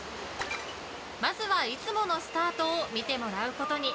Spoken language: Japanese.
まずは、いつものスタートを見てもらうことに。